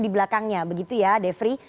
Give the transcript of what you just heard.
di belakangnya begitu ya defri